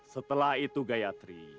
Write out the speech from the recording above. setelah itu gayatri